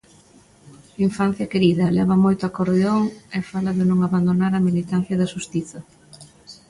"Infancia querida" leva moito acordeón e fala de non abandonar a militancia da xustiza.